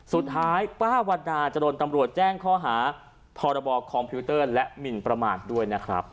สุดท้ายป้าวันนาจะโดนตำรวจแจ้งข้อหาพรบคอมพิวเตอร์และหมินประมาทด้วยนะครับ